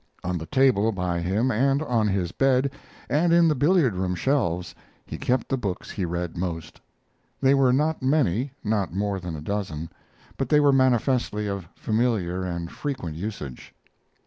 On the table by him, and on his bed, and in the billiard room shelves he kept the books he read most. They were not many not more than a dozen but they were manifestly of familiar and frequent usage.